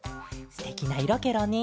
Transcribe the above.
すてきないろケロね。